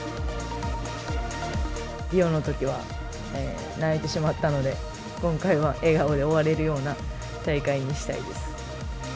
リオのときは泣いてしまったので、今回は笑顔で終われるような大会にしたいです。